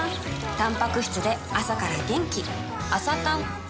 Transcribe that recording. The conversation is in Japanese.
たんぱく質で朝から元気